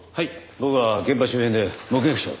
僕は現場周辺で目撃者を。